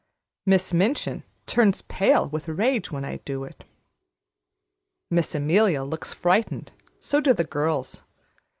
Miss Minchin turns pale with rage when I do it. Miss Amelia looks frightened, so do the girls.